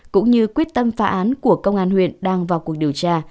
cũng như quyết tâm phá án của công an huyện đang vào cuộc điều tra